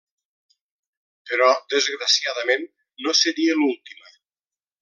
Però, desgraciadament, no seria l'última.